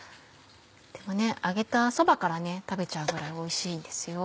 揚げたそばから食べちゃうぐらいおいしいんですよ。